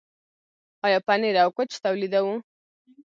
آیا پنیر او کوچ تولیدوو؟